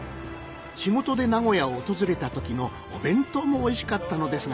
仕事で名古屋を訪れた時のお弁当もおいしかったのですが